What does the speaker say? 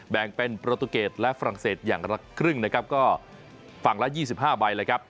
แบ่งเป็นประตูเกตและฝรั่งเศสอย่างละครึ่งนะครับก็ฝั่งละ๒๕ใบเลยครับ